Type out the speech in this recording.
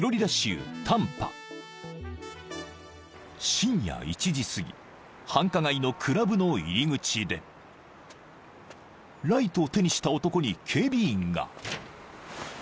［深夜１時すぎ繁華街のクラブの入り口でライトを手にした男に警備員が］